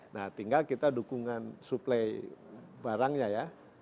nah tinggal kita dukungan suplai barangnya ya